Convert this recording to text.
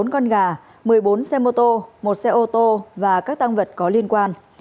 bốn con gà một mươi bốn xe mô tô một xe ô tô và các tăng vật có liên quan